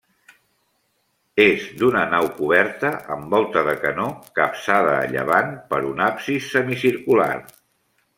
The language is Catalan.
És d'una nau coberta amb volta de canó, capçada a llevant per un absis semicircular.